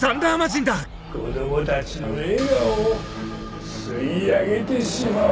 子供たちの笑顔を吸い上げてしまおう。